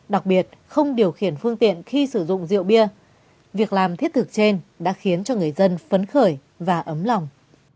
đặc biệt không điều khiển phương tiện khi sử dụng rượu bia việc làm thiết thực trên đã khiến cho người dân phấn khởi và ấm lòng